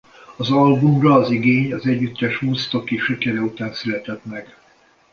Az albumra az igény az együttes woodstocki sikere után született meg.